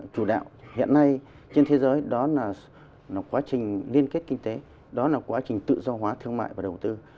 chủ đạo hiện nay trên thế giới đó là quá trình liên kết kinh tế đó là quá trình tự do hóa thương mại và đầu tư